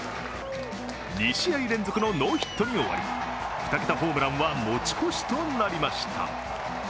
２試合連続のノーヒットに終わり２桁ホームランは持ち越しとなりました。